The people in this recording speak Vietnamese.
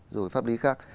rồi pháp lý khác